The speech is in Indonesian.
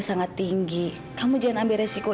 sangat tinggi kamu jangan ambil resiko